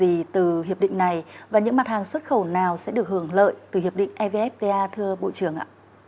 thì từ hiệp định này và những mặt hàng xuất khẩu nào sẽ được hưởng lợi từ hiệp định evfta thưa bộ trưởng ạ